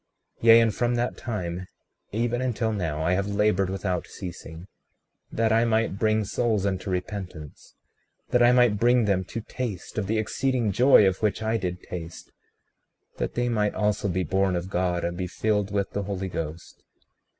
36:24 Yea, and from that time even until now, I have labored without ceasing, that I might bring souls unto repentance; that I might bring them to taste of the exceeding joy of which I did taste; that they might also be born of God, and be filled with the Holy Ghost.